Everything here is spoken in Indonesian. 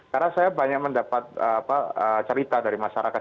karena saya banyak mendapat cerita dari masyarakat